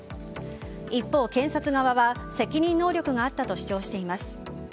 一方、検察側は責任能力があったと主張しています。